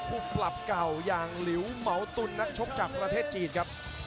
ทำท่าว่าจะปิดเกมไวแต่ไม่ใช่เลยครับท่านผู้ชมครับ